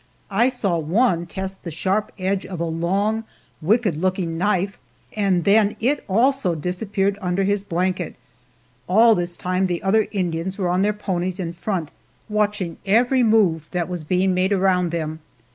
I saw one test the sharp edge of a long, wicked looking knife, and then it, also, disappeared under his blanket. All this time the other Indians were on their ponies in front, watching every move that was being made around them.